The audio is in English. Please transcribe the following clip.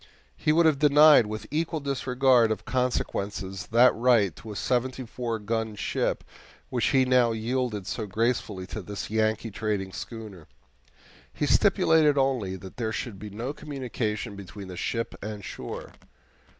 He would have denied with equal disregard of consequences that right to a seventy four gun ship which he now yielded so gracefully to this Yankee trading schooner. He stipulated only that there should be no communication between the ship and shore.